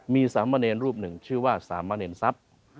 มีสามเณรรูปหนึ่งชื่อว่าสามะเนรทรัพย์